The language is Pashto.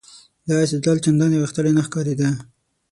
دا استدلال چندانې غښتلی نه ښکارېده.